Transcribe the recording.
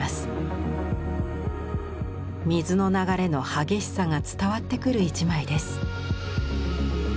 水の流れの激しさが伝わってくる一枚です。